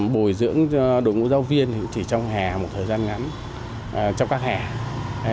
bồi dưỡng đội ngũ giáo viên thì chỉ trong hẻ một thời gian ngắn trong các hẻ